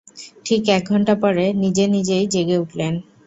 ঠিক এক ঘণ্টা পরে নিজেনিজেই জেগে উঠলেন।